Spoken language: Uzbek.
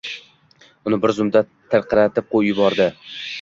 Uni bir zumda tirqiratib yubordi.